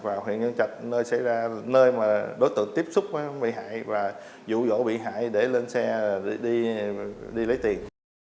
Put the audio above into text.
và huyện nguyễn trạch nơi đối tượng tiếp xúc bị hại và dụ dỗ bị hại để lên xe đi lấy tiền